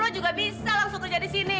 tiga puluh juga bisa langsung kerja disini